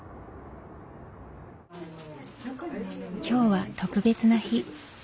今日は特別な日。